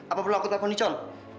apa perlu aku telepon dicom